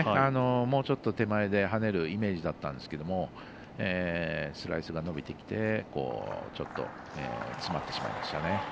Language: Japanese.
もうちょっと手前で跳ねるイメージだったんですけれどもスライスが伸びて詰まってしまいましたよね。